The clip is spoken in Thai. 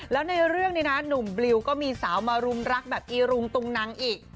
แล้วในเรื่องนี้นะหนุ่มบลิวก็มีสาวมารุมรักแบบอีรุงตุงนังอีก